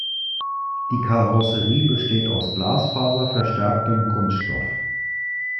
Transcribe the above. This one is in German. Die Karosserie besteht aus glasfaserverstärktem Kunststoff.